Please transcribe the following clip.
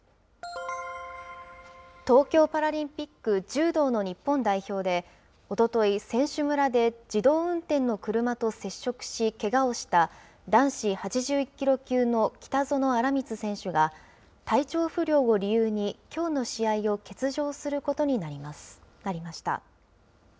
東京パラリンピック柔道の日本代表で、おととい、選手村で自動運転の車と接触し、けがをした男子８１キロ級の北薗新光選手が、体調不良を理由に、きょうの試合を欠場することになりました。